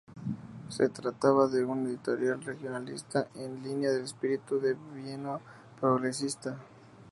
Se trataba de una editorial regionalista en línea del espíritu del Bienio Progresista.